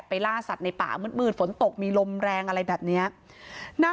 พระเจ้าที่อยู่ในเมืองของพระเจ้า